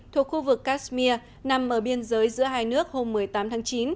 thuộc khu vực kashmir nằm ở biên giới giữa hai nước hôm một mươi tám tháng chín